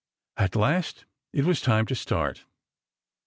At last it was time to start.